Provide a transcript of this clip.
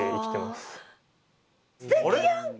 すてきやんか！